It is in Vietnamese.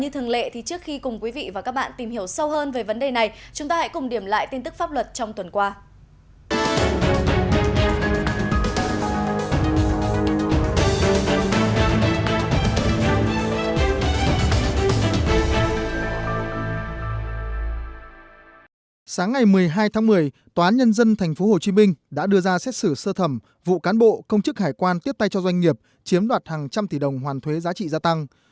một mươi hai tháng một mươi tòa án nhân dân tp hcm đã đưa ra xét xử sơ thẩm vụ cán bộ công chức hải quan tiếp tay cho doanh nghiệp chiếm đoạt hàng trăm tỷ đồng hoàn thuế giá trị gia tăng